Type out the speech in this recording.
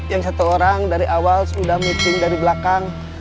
yang satu orang dari awal sudah meeting dari belakang